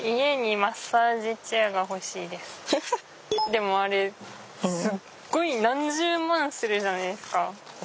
でもあれすっごい何十万するじゃないですか。